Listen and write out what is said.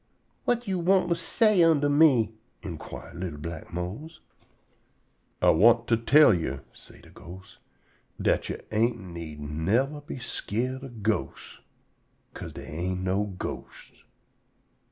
"Whut yo' want to say unto me?" _in_quire li'l black Mose. "Ah want to tell yo'," say de ghost, "dat yo' ain't need yever be skeered of ghosts, 'ca'se dey ain't no ghosts."